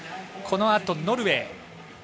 このあと、ノルウェー。